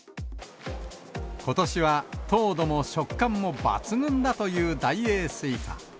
ことしは糖度も食感も抜群だという大栄スイカ。